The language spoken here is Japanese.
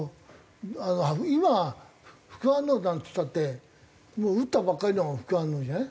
今副反応なんつったって打ったばっかりの副反応じゃない？